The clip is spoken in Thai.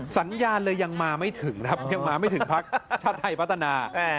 สัญญาณเลยยังมาไม่ถึงครับยังมาไม่ถึงพักชาติไทยพัฒนา